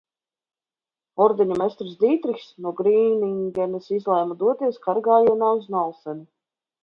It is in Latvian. Ordeņa mestrs Dītrihs no Grīningenas izlēma doties karagājienā uz Nalseni.